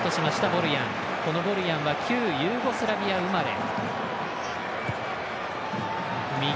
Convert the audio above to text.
ボルヤンは旧ユーゴスラビア生まれ。